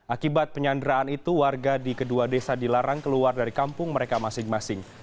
akibat penyanderaan itu warga di kedua desa dilarang keluar dari kampung mereka masing masing